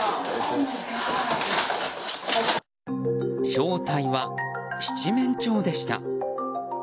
正体は七面鳥でした。